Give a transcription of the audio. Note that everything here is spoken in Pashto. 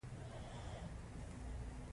د پانګې زیاتوالی یوازې د استثمار پایله ده